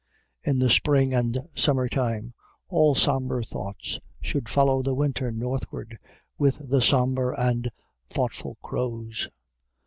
In the spring and summer time all somber thoughts should follow the winter northward with the somber and thoughtful crows.